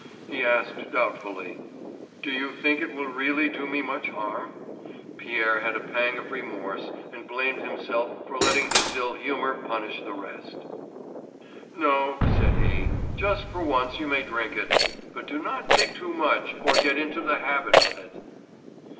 He asked doubtfully: "Do you think it will really do me much harm?" Pierre had a pang of remorse and blamed himself for letting his ill humour punish the rest. "No," said he. "Just for once you may drink it; but do not take too much, or get into the habit of it."